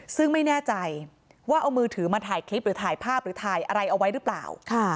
ซึ่งไม่แน่ใจว่าเอามือถือมาถ่ายคลิปหรือถ่ายภาพหรือถ่ายอะไรเอาไว้หรือเปล่า